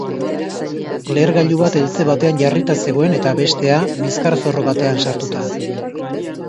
Lehergailu bat eltze batean jarrita zegoen eta bestea bizkarzorro batean sartuta.